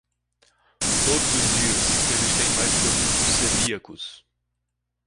Todos os dias eles têm mais produtos celíacos.